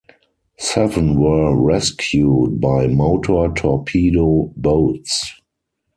Seven were rescued by motor torpedo boats.